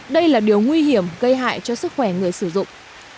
đây là điều nguy hiểm gây hại cho sức khỏe người sử dụng